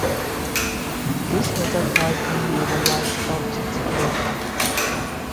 This metaclass only overrides object creation.